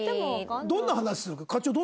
どんな話するの？